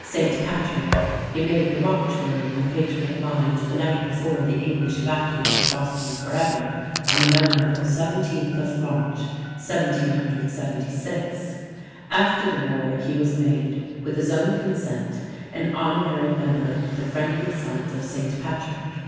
"St. Patrick" he made the watchword in the patriot lines the night before the English evacuated Boston forever on the memorable 17th of March, 1776. After the war he was made, with his own consent, an honorary member of the Friendly Sons of St. Patrick.